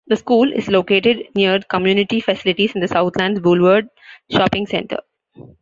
The school is located near community facilities and the Southlands Boulevarde shopping centre.